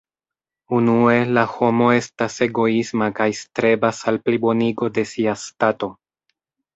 Unue, la homo estas egoisma kaj strebas al plibonigo de sia stato.